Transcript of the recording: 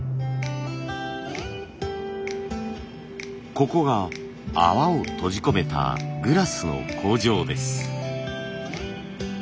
ここが泡を閉じ込めたグラスの工場です。